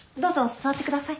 座ってください。